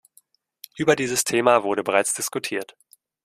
Über dieses Thema wurde bereits diskutiert.